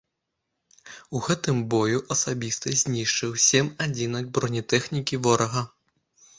У гэтым бою асабіста знішчыў сем адзінак бронетэхнікі ворага.